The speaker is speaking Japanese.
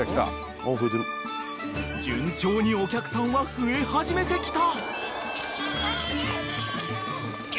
［順調にお客さんは増え始めてきた］